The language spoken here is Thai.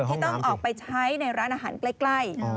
ที่ต้องออกไปใช้ในร้านอาหารใกล้